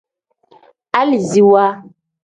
Aliziwa.